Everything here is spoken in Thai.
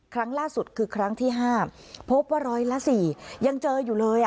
ครั้งล่าสุดคือครั้งที่๕พบว่าร้อยละ๔ยังเจออยู่เลย